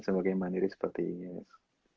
sebagai mandiri seperti ig ads